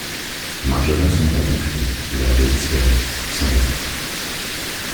Marjolin s’en alla confus, l’air désespéré, sans répondre.